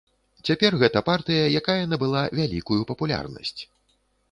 Цяпер гэта партыя, якая набыла вялікую папулярнасць.